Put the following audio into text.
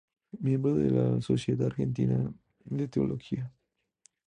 Miembro de la Sociedad Argentina de Teología.